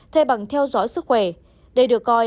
thay bằng theo dõi sức khỏe đây được coi